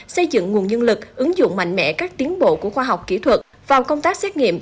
xây dựng nguồn nhân lực ứng dụng mạnh mẽ các tiến bộ của khoa học kỹ thuật vào công tác xét nghiệm